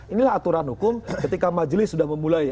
inilah aturan hukum ketika majelis sudah memulai